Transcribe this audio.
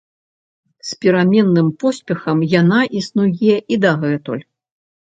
З пераменным поспехам яна існуе і дагэтуль.